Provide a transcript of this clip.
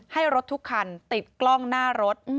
ให้รถทุกคันติดกล้องหน้ารถ